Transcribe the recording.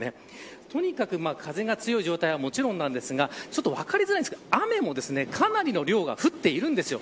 とにかく風が強い状態はもちろんですが分かりにくいですが、雨もかなりの量が降っています。